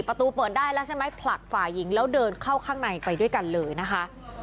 ประตูเปิดได้แล้วใช่ไหมผลักฝ่ายหญิงแล้วเดินเข้าข้างในไปด้วยกันเลยนะคะ